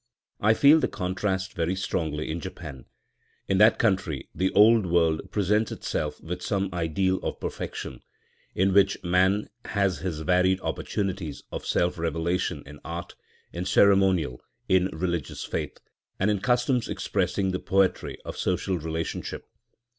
I feel the contrast very strongly in Japan. In that country the old world presents itself with some ideal of perfection, in which man has his varied opportunities of self revelation in art, in ceremonial, in religious faith, and in customs expressing the poetry of social relationship.